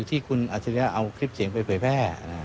ที่คุณอัจฉริยะเอาคลิปเสียงไปเผยแพร่